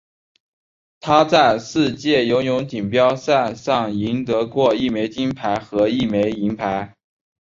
他在世界游泳锦标赛上赢得过一枚金牌和一枚银牌。